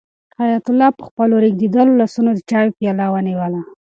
حیات الله په خپلو ریږېدلو لاسونو د چایو پیاله ونیوله.